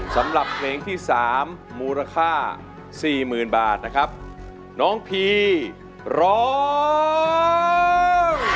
สำหรับเพลงที่๓มูลค่า๔๐๐๐๐บาทนะครับน้องพี่ร้อง